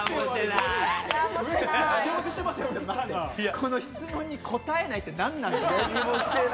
この質問に答えないって何なの？